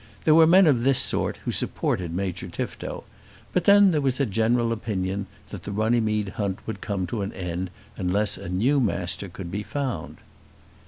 There were men of this sort who supported Major Tifto; but then there was a general opinion that the Runnymede hunt would come to an end unless a new Master could be found.